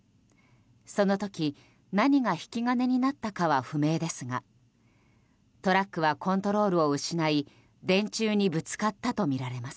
その時、何が引き金になったかは不明ですがトラックはコントロールを失い電柱にぶつかったとみられます。